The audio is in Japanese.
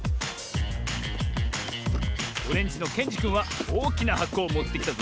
オレンジのけんじくんはおおきなはこをもってきたぞ。